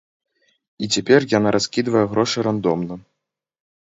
І цяпер яна раскідвае грошы рандомна.